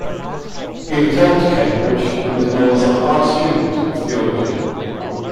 He returned to Cambridge, and was known as a 'hard student' of theology.